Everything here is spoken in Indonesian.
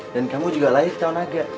dan kamu juga lahir di tahun naga